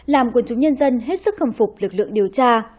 làm quân chúng nhân dân hết sức khâm phục lực lượng điều tra